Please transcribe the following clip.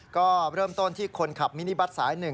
ก็เริ่มต้นที่คนขับมินิบัตรสาย๑